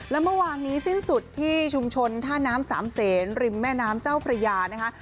แล้วเมื่อวานนี้สิ้นสุดที่ชุมชนท่าน้ำสามเศษริมแม่น้ำเจ้าพระยานะคะ